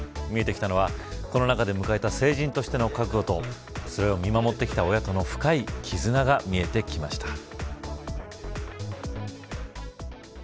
見えてきたのは、コロナ禍で迎えた成人としての覚悟とそれを見守ってきた親との深い絆が見えてきました。